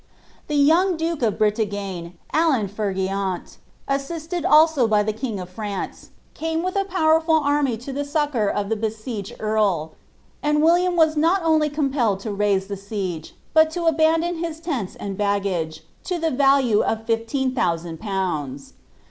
The young duke of Bretagne, Allan Fergeant, assisted also by the king of Trance, came with a powerful army to the sutcour of the besieged eorl ; and William was not only compelleil in raise the siege, but to Abandon his ifnis and baggage, to the value of lilleen thousand pounds.